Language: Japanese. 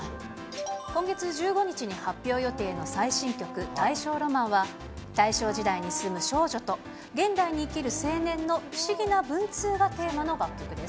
今月１５日に発表予定の最新曲、大正浪漫は、大正時代に住む少女と、現代に生きる青年の不思議な文通がテーマの楽曲です。